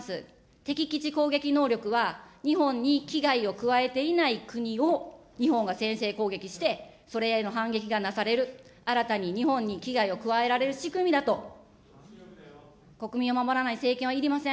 敵基地攻撃能力は、日本に危害を加えていない国を日本が先制攻撃して、それへの反撃がなされる、新たに日本に危害を加えられる仕組みだと、国民を守らない政権はいりません。